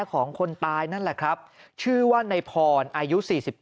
ของคนตายนั่นแหละครับชื่อว่าในพรอายุ๔๘